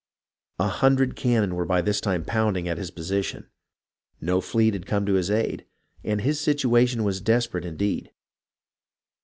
A hundred cannon were by this time pounding at his position. No fleet had come to his aid, and his situation was desperate indeed.